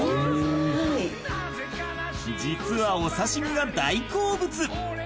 ［実はお刺し身が大好物！］